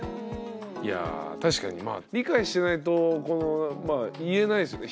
いや確かに理解してないと言えないっすよね